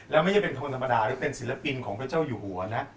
แล้วไม่ใช่เพราะตรงธรรมดาหรือเป็นศิลปินของเจ้าอยู่หัวนะ